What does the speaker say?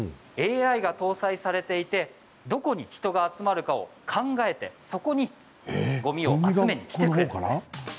ＡＩが搭載されていてどこに人が集まるかを考えてそこに、ごみを集めに来てくれるんです。